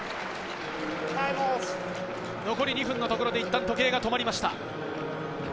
残り２分のところでいったん時計が止まりました。